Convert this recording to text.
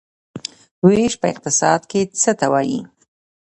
ویش په اقتصاد کې څه ته وايي؟